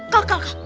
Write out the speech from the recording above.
kak kak kak